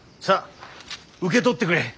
さあ受け取ってくれ。